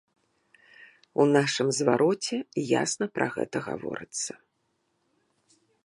У нашым звароце ясна пра гэта гаворыцца.